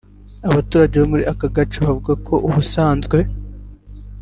Abaturage bo muri aka gace bavuga ko ubusanzwe